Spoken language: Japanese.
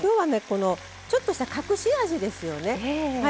このちょっとした隠し味ですよね。